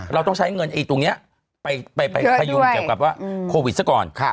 เราต้องใช้เงินตรงนี้ไปพยุงเกี่ยวกับว่าโควิดซะก่อน